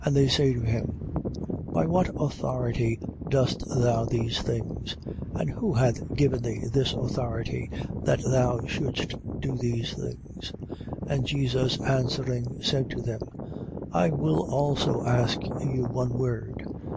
11:28. And they say to him: By what authority dost thou these things? And who hath given thee this authority that thou shouldst do these things? 11:29. And Jesus answering, said to them: I will also ask you one word.